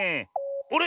あれ？